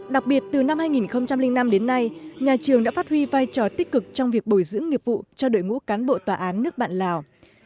đặc biệt từ năm hai nghìn năm đến nay nhà trường đã phát huy vai trò tích cực trong việc bồi dưỡng nghiệp vụ cho đội ngũ cán bộ tòa án nước bạn lào